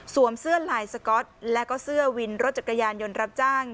เสื้อลายสก๊อตแล้วก็เสื้อวินรถจักรยานยนต์รับจ้าง